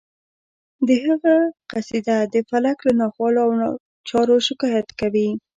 د هغه قصیده د فلک له ناخوالو او چارو شکایت کوي